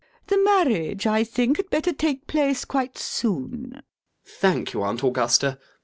The marriage, I think, had better take place quite soon. ALGERNON. Thank you, Aunt Augusta.